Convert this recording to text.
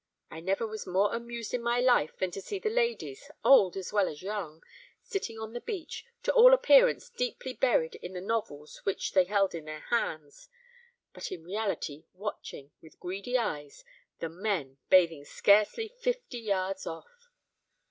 I never was more amused in my life than to see the ladies, old as well as young, sitting on the beach, to all appearance deeply buried in the novels which they held in their hands, but in reality watching, with greedy eyes, the men bathing scarcely fifty yards off."